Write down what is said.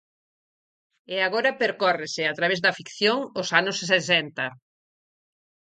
E agora percórrese, a través da ficción, os anos sesenta.